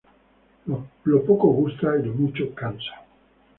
Lo poco gusta y lo mucho cansa